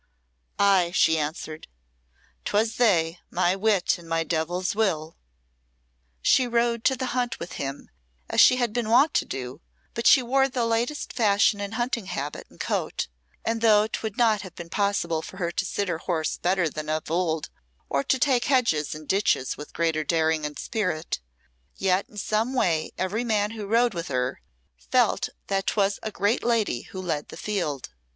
"Ay," she answered, "'twas they my wit and my devil's will!" She rode to the hunt with him as she had been wont to do, but she wore the latest fashion in hunting habit and coat; and though 'twould not have been possible for her to sit her horse better than of old, or to take hedges and ditches with greater daring and spirit, yet in some way every man who rode with her felt that 'twas a great lady who led the field.